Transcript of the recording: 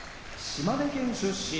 島根県出身